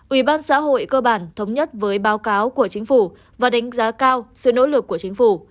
ủy ban xã hội cơ bản thống nhất với báo cáo của chính phủ và đánh giá cao sự nỗ lực của chính phủ